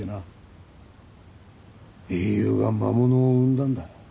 英雄が魔物を生んだんだ。